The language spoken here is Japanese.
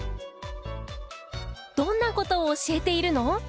どんな事を教えているの？